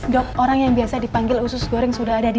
dok orang yang biasa dipanggil usus goreng sudah ada di